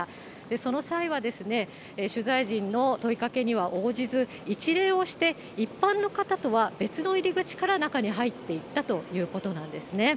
その際は取材陣の問いかけには応じず、一礼をして、一般の方とは別の入り口から中に入っていったということなんですね。